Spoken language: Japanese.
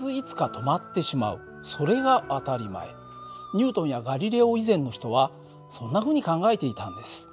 ニュートンやガリレオ以前の人はそんなふうに考えていたんです。